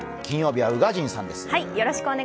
金曜日は宇賀神さんです。